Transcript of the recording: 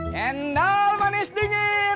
cendol manis dingin